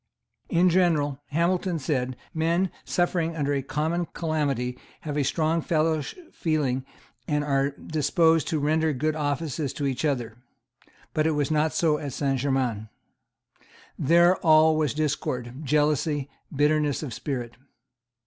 In general, Hamilton said, men suffering under a common calamity have a strong fellow feeling and are disposed to render good offices to each other. But it was not so at Saint Germains. There all was discord, jealousy, bitterness of spirit.